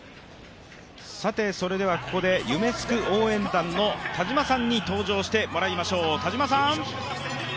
それではここで夢すく応援団の田島さんに登場していただきましょう。